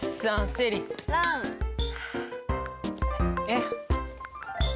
えっ？